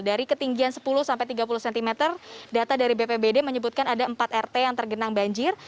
dari ketinggian sepuluh sampai tiga puluh cm data dari bpbd menyebutkan ada empat rt yang tergenang banjir